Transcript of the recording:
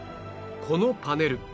このパネル